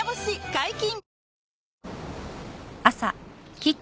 解禁‼